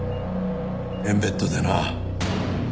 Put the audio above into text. エンベッドでな。